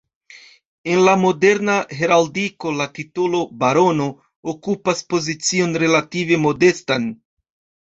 En la moderna heraldiko, la titolo “barono” okupas pozicion relative modestan.